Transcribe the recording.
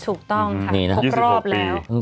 ถูกต้องค่ะ๖รอบแล้ว